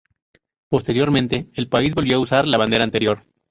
Posteriormente el país volvió a usar la bandera anterior.